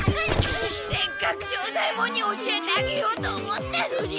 せっかく庄左ヱ門に教えてあげようと思ったのに！